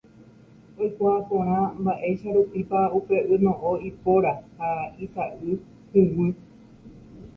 Oikuaa porã mba'eicharupípa upe yno'õ ipóra ha isa'y huguy.